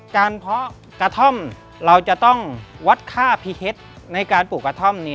เพาะกระท่อมเราจะต้องวัดค่าพิเฮ็ดในการปลูกกระท่อม